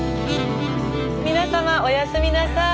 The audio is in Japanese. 皆様おやすみなさい。